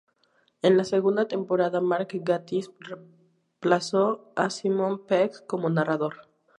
En la segunda temporada, Mark Gatiss reemplazó a Simon Pegg como narrador.